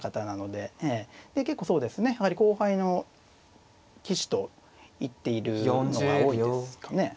で結構そうですねやはり後輩の棋士と行っているのが多いですかね。